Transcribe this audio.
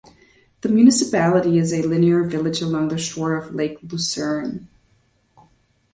The municipality is a linear village along the shore of Lake Lucerne.